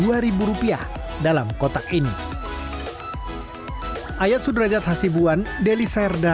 yang rp dua dalam kotak ini